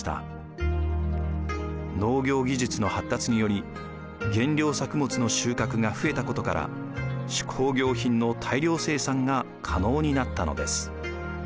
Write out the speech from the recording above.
農業技術の発達により原料作物の収穫が増えたことから手工業品の大量生産が可能になったのです。